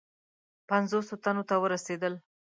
پنجوسو تنو ته ورسېدل.